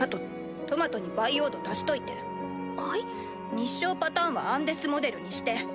日照パターンはアンデスモデルにして。